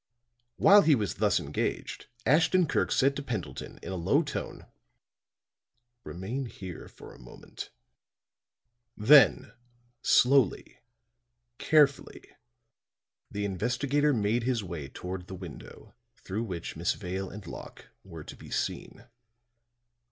While he was thus engaged, Ashton Kirk said to Pendleton in a low tone: "Remain here for a moment." Then slowly, carefully, the investigator made his way toward the window through which Miss Vale and Locke were to be seen.